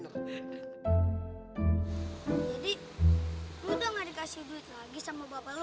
jadi lo udah gak dikasih duit lagi sama bapak lo